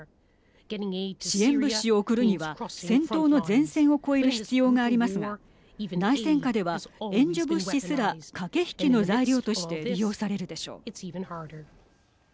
支援物資を送るには戦闘の前線を越える必要がありますが内戦下では援助物資すら駆け引きの材料として利用されるでしょう。